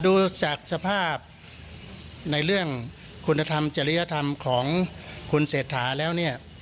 ดูจากสภาพในเรื่องคุณธรรมจริยธรรมของคุณเศรษฐาแล้วเนี่ย